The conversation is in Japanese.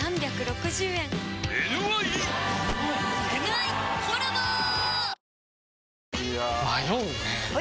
いや迷うねはい！